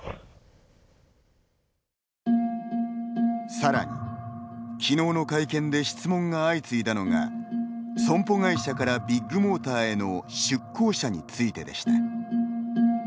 さらに、昨日の会見で質問が相次いだのが損保会社からビッグモーターへの出向者についてでした。